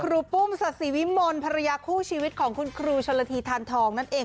รูปุ้มศาสิวิมลภรรยาคู่ชีวิตของคุณครูชนละทีทานทองนั่นเอง